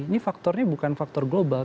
ini faktornya bukan faktor global